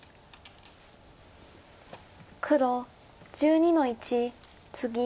黒１２の一ツギ。